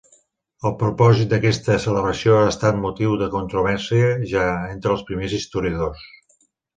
El propòsit d'aquesta celebració ha estat motiu de controvèrsia ja entre els primers historiadors.